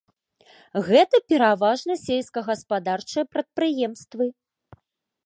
Гэта пераважна сельскагаспадарчыя прадпрыемствы.